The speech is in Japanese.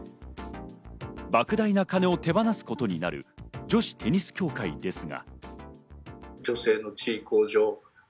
莫大な金を手放すことになる女子テニス協会ですが。